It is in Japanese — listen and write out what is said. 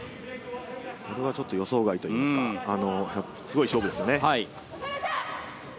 これはちょっと予想外といいますか、すごい勝負ですよね。